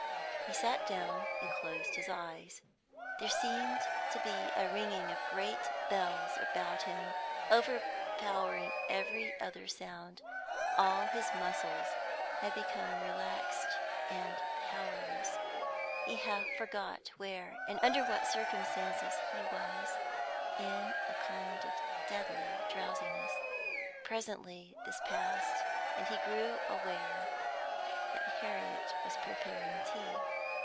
He sat down, and closed his eyes. There seemed to be a ringing of great bells about him, overpowering every other sound; all his muscles had become relaxed and powerless; he half forgot where and under what circumstances he was, in a kind of deadly drowsiness. Presently this passed, and he grew aware that Harriet was preparing tea.